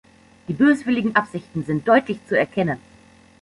Die böswilligen Absichten sind deutlich zu erkennen.